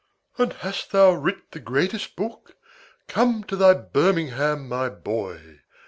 "And hast thou writ the greatest book? Come to thy birmingham, my boy!